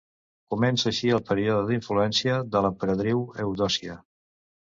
Comença així el període d'influència de l'emperadriu Eudòcia.